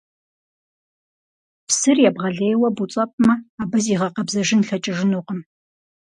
Псыр ебгъэлейуэ буцӀэпӀмэ, абы зигъэкъэбзэжын лъэкӀыжынукъым.